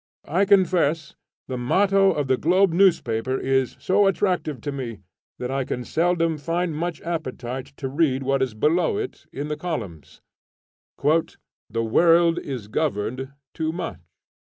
I confess, the motto of the Globe newspaper is so attractive to me that I can seldom find much appetite to read what is below it in its columns: "The world is governed too much."